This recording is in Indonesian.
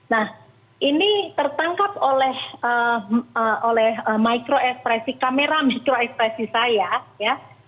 nah ini tertangkap oleh mikroekspresi kamera mikroekspresi saya ya